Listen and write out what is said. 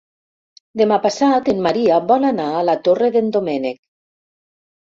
Demà passat en Maria vol anar a la Torre d'en Doménec.